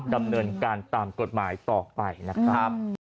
ดำเนินการตามกฎหมายต่อไปนะครับ